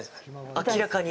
明らかに。